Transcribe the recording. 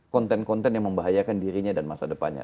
konten konten yang membahayakan dirinya dan masa depannya